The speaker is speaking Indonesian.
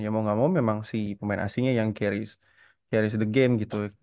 ya mau gak mau memang si pemain asingnya yang caris the game gitu